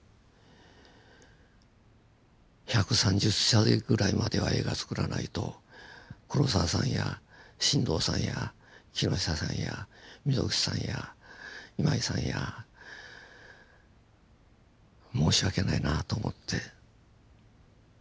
１３０歳ぐらいまでは映画つくらないと黒澤さんや新藤さんや木下さんや溝口さんや今井さんや申し訳ないなと思って。